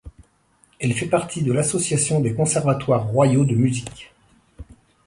Elle fait partie de l'Association des conservatoires royaux de musique.